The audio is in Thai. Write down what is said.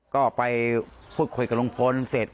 ก็ไปพูดคุยกับลุงพลเสร็จ